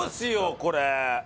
これ。